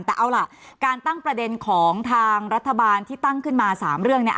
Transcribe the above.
แต่เอาล่ะการตั้งประเด็นของทางรัฐบาลที่ตั้งขึ้นมา๓เรื่องเนี่ย